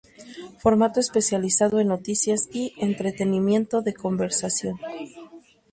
Formato especializado en noticias y entretenimiento de conversación.